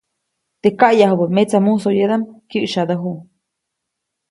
Teʼ kaʼyajubä metsa musoyedaʼm, kyäʼsyadäju.